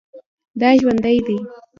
دا ژوندی دی